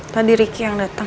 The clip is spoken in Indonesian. tadi ricky yang datang